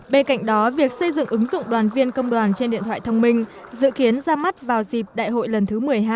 bên cạnh đó việc xây dựng ứng dụng đoàn viên công đoàn trên điện thoại thông minh dự kiến ra mắt vào dịp đại hội lần thứ một mươi hai